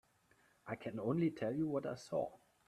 I can only tell you what I saw.